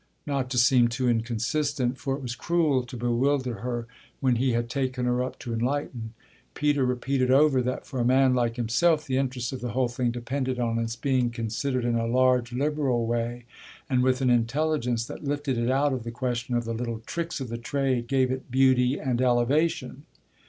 Not to seem too inconsistent for it was cruel to bewilder her when he had taken her up to enlighten Peter repeated over that for a man like himself the interest of the whole thing depended on its being considered in a large, liberal way and with an intelligence that lifted it out of the question of the little tricks of the trade, gave it beauty and elevation.